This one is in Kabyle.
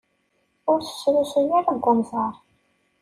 Ur t-srusuy ara deg unẓar.